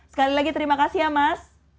sekali lagi terima kasih ya mas